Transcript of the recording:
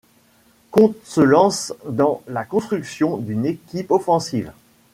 Conte se lance dans la construction d'une équipe offensive.